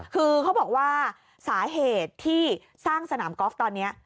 คือเขาบอกว่าสาเหตุที่สร้างสนามกอล์ฟตอนนี้